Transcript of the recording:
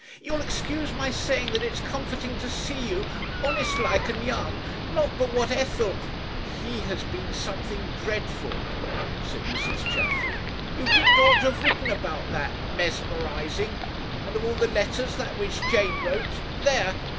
"You'll excuse my saying that it's comforting to see you honest like and young. Not but what Ethel ... He has been something dreadful," said Mrs. Chaffery. "You didn't ought to have written about that mesmerising. And of all letters that which Jane wrote there!